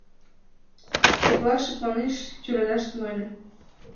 Пӧкла шыпланыш, тӱредаш тӱҥале.